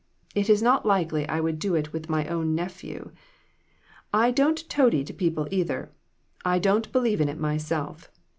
It is not likely I would do it with my own nephew. I don't toady to peo ple, either. I don't believe in it myself.